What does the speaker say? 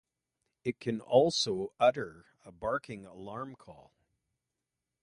It can also utter a barking alarm call.